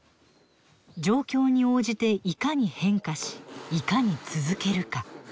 状況に応じていかに変化しいかに続けるか。